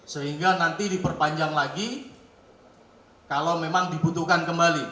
sehingga nanti diperpanjang lagi kalau memang dibutuhkan kembali